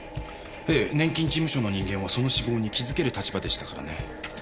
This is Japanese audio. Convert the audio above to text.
ええ年金事務所の人間はその死亡に気づける立場でしたからね。